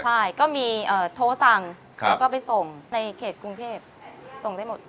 ใช่ก็มีโทรสั่งแล้วก็ไปส่งในเขตกรุงเทพส่งได้หมด